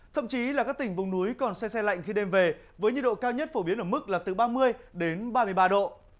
thậm chí là các tỉnh vùng núi còn xe xe lạnh khi đêm về với nhiệt độ cao nhất phổ biến ở mức là từ ba mươi đến ba mươi ba độ